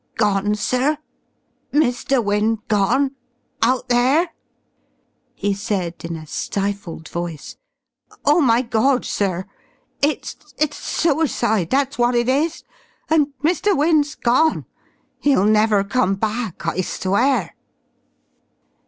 "Gone, sir? Mr. Wynne gone out there?" he said in a stifled voice. "Oh my Gawd, sir. It's it's suicide, that's what it is! And Mr. Wynne's gone!... 'E'll never come back, I swear."